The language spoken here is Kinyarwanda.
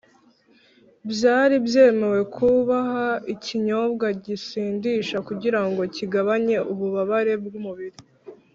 byari byemewe kubaha ikinyobwa gisindisha, kugira ngo kigabanye ububabare bw’umubiri